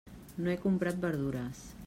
No he comprat verdures.